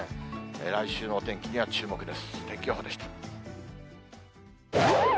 来週のお天気には注目です。